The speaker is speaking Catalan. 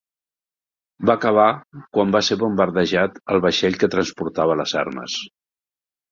Va acabar quan va ser bombardejat el vaixell que transportava les armes.